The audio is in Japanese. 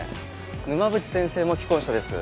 沼淵先生も既婚者です